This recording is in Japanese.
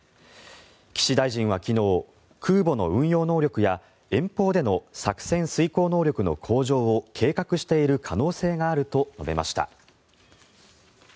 岸大臣は昨日空母の運用能力や遠方での作戦遂行能力の向上を計画している可能性があると述べました。